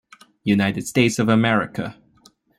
United States of America.